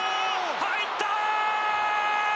入った！